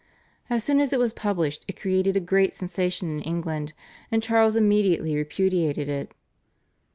As soon as it was published it created a great sensation in England, and Charles immediately repudiated it.